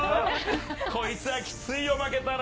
こいつはきついよ、負けたら。